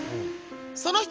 そう！